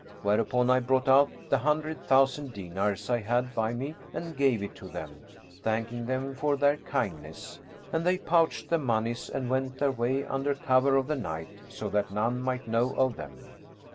Whereupon I brought out the hundred thousand dinars I had by me and gave it to them, thanking them for their kindness; and they pouched the monies and went their way, under cover of the night so that none might know of them.